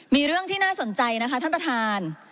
มีเรื่องที่น่าสนใจนะคะท่านประธาน